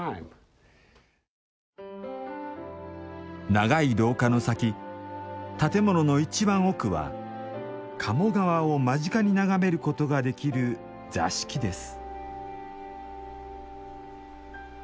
長い廊下の先建物の一番奥は鴨川を間近に眺めることができる座敷です